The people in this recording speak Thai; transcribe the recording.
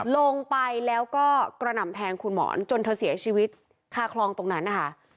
ลงไปแล้วก็กระหน่ำแทงคุณหมอนจนเธอเสียชีวิตคาคลองตรงนั้นนะคะ